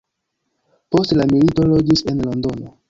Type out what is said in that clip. Post la milito loĝis en Londono.